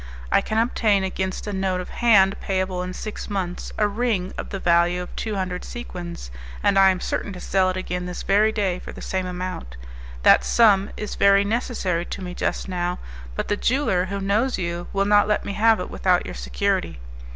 I can obtain, against a note of hand payable in six months, a ring of the value of two hundred sequins, and I am certain to sell it again this very day for the same amount. That sum is very necessary to me just now, but the jeweller, who knows you, will not let me have it without your security.